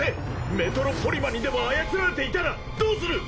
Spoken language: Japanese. メトロポリマンにでも操られていたらどうする！